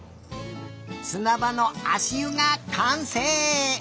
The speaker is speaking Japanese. すなばのあしゆがかんせい！